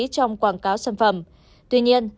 trong quảng cáo sản phẩm tuy nhiên